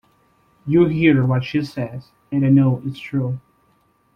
You hear what she says, and I know it's true.